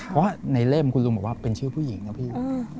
เพราะว่าในเล่มคุณลุงบอกว่าเป็นชื่อผู้หญิงนะพี่